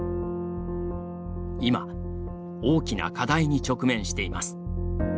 今、大きな課題に直面しています。